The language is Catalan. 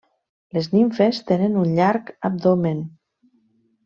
Les nimfes tenen un llarg abdomen.